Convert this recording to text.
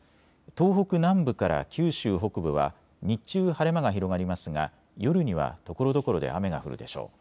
東北南部から九州北部は日中、晴れ間が広がりますが夜にはところどころで雨が降るでしょう。